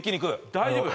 大丈夫？